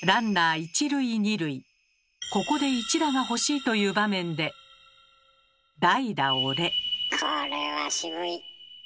ここで一打が欲しいという場面でこれは渋い。